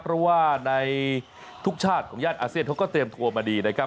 เพราะว่าในทุกชาติของย่านอาเซียนเขาก็เตรียมตัวมาดีนะครับ